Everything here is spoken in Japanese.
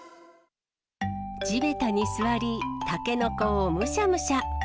地べたに座り、タケノコをむしゃむしゃ。